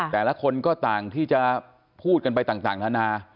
แต่ละคนก็ต่างที่จะพูดกันไปต่างนานา